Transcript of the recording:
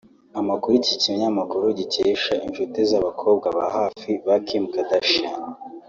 Amakuru iki kinyamakuru gikesha inshuti z’abakobwa ba hafi ba Kim Kardashian